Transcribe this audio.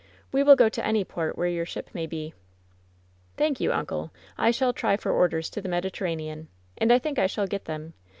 We will go to any port where your ship may be." "Thank you, uncle. I shall try for orders to the Med iterranean. And I think I shall get them.